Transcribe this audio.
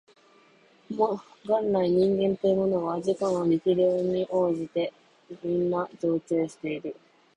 元来人間というものは自己の力量に慢じてみんな増長している